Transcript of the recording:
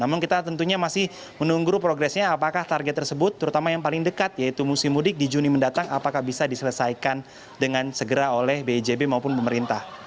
namun kita tentunya masih menunggu progresnya apakah target tersebut terutama yang paling dekat yaitu musim mudik di juni mendatang apakah bisa diselesaikan dengan segera oleh bijb maupun pemerintah